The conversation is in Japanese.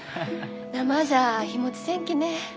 生じゃ日もちせんきね。